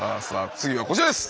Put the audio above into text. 次はこちらです！